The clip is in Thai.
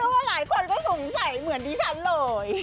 ว่าหลายคนก็สงสัยเหมือนดิฉันเลย